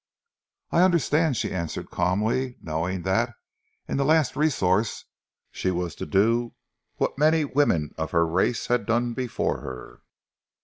"I understand," she answered calmly, knowing that in the last resource she was to do what many women of her race had done before her.